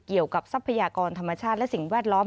เกี่ยวกับทรัพยากรธรรมชาติและสิ่งแวดล้อม